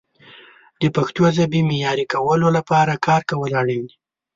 د پښتو ژبې معیاري کولو لپاره کار کول اړین دي.